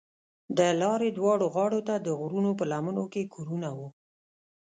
د لارې دواړو غاړو ته د غرونو په لمنو کې کورونه وو.